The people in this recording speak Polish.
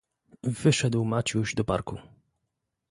"Wyszedł Maciuś do parku."